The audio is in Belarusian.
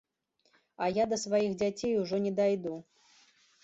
А я да сваіх дзяцей ужо не дайду.